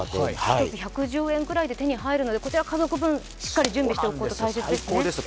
１つ１１０円ぐらいで手に入るのでこちら家族分、しっかり準備しておくことが大切ですね。